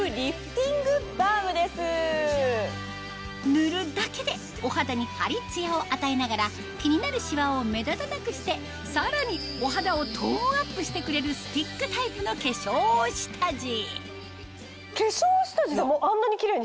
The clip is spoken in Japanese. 塗るだけでお肌にハリツヤを与えながら気になるシワを目立たなくしてさらにお肌をトーンアップしてくれる化粧下地でもあんなにキレイにしてくれるんですか？